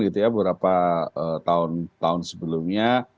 beberapa tahun tahun sebelumnya